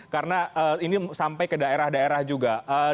karena ini sampai ke daerah daerah juga